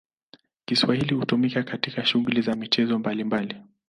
Kiswahili hutumika katika shughuli za michezo mbalimbali.